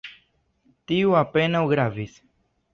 Tio apenaŭ gravis.